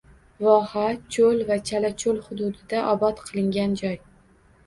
Voha choʻl va chalachoʻl hududda obod qilingan joy